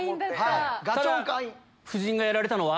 ただ夫人がやられたのは？